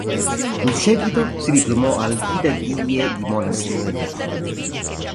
In seguito si diplomò all"'idadiye" di Monastir.